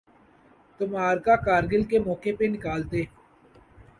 تو معرکہ کارگل کے موقع پہ نکالتے۔